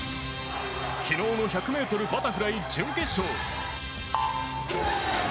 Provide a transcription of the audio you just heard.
昨日の１００ｍバタフライ準決勝。